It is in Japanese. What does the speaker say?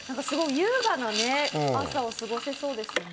優雅な朝を過ごせそうですね。